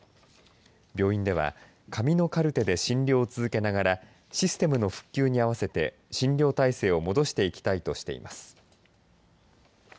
病院では紙のカルテで診療を続けながらシステムの復旧に合わせて診療体制を戻していきたいとしています。